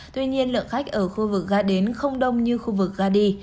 tuy nhiên lượng khách ở khu vực gã đến không đông như khu vực gã đi